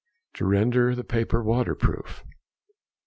_To render paper waterproof.